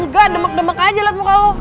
enggak demek demek aja lihat muka lo